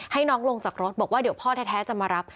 ให้น้องลงจากรถบอกว่าเดี๋ยวพ่อแท้จะมารับ